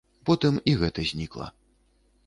Потым і гэта знікла.